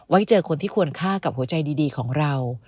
เจอคนที่ควรฆ่ากับหัวใจดีของเรา